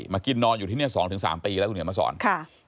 มากินนอนอยู่ที่นี่๒๓ปีแล้วอยู่เหนือมศาล